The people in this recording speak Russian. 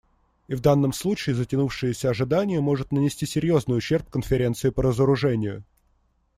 И в данном случае затянувшееся ожидание может нанести серьезный ущерб Конференции по разоружению.